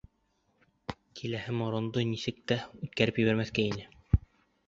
Киләһе морондо нисек тә үткәреп ебәрмәҫкә ине.